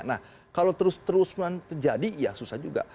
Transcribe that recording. nah kalau terus terusan terjadi ya susah juga